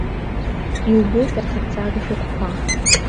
Иубоит арҭ арҵага шәҟәқәа.